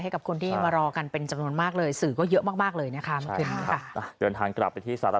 ขอบคุณมากทุกคนครับ